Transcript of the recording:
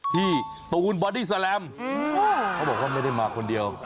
ที่ตูนบอดี้แลมเขาบอกว่าไม่ได้มาคนเดียว